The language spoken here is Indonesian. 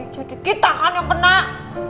jadi kita kan yang penak